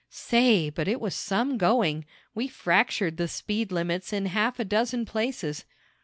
Say, but it was some going! We fractured the speed limits in half a dozen places."